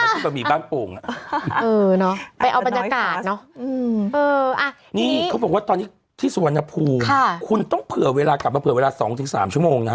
อันนี้เขาบอกว่าตอนนี้ที่สวรรค์นภูมิคุณต้องเผื่อเวลากลับมาเผื่อเวลา๒๓ชั่วโมงนะ